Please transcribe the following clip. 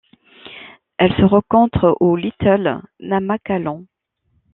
Elle se rencontre au Little Namaqualand.